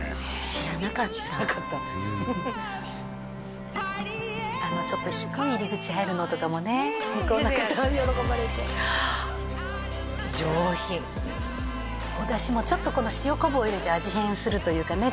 知らなかった知らなかったあのちょっと低い入り口入るのとかもね向こうの方は喜ばれて上品お出汁もこの塩昆布を入れて味変するというかね